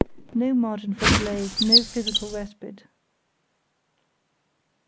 No margin for delays, no physical respite.